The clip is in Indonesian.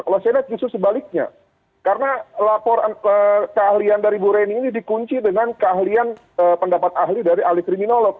kalau saya lihat justru sebaliknya karena laporan keahlian dari bu reni ini dikunci dengan keahlian pendapat ahli dari ahli kriminolog